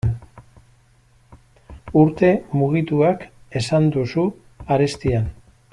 Urte mugituak esan duzu arestian.